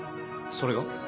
それが？